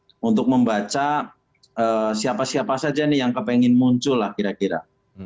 instansi untuk membaca siapa siapa saja yang kepengen muncul kira kira